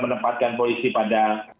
menempatkan polisi pada